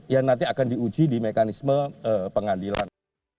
yang nanti akan diuji di mekanisme pengadilan